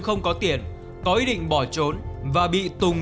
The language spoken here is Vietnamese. không có tiền có ý định bỏ trốn và bị tùng